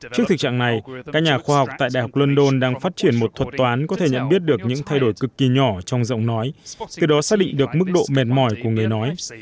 trước thực trạng này các nhà khoa học tại đại học london đang phát triển một thuật toán có thể nhận biết được những thay đổi cực kỳ nhỏ trong giọng nói từ đó xác định được mức độ mệt mỏi của người nói